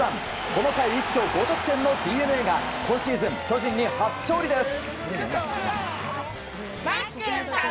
この回、一挙５得点のＤｅＮＡが今シーズン巨人に初勝利です。